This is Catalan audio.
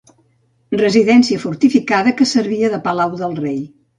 Residència fortificada que servia de palau del rei.